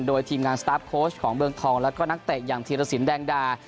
โดยทีมงานสตาร์ฟโค้ชของเมืองทองแล้วก็นักเตะอย่างธีรสินแดงดา